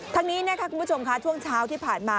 ทั้งนี้นะคะคุณผู้ชมค่ะช่วงเช้าที่ผ่านมา